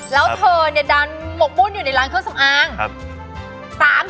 แล้วเธอเนี่ยดันหมกมุ่นอยู่ในร้านเครื่องสำอาง